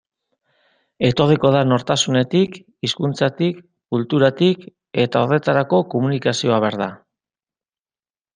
Etorriko da nortasunetik, hizkuntzatik, kulturatik, eta horretarako komunikazioa behar da.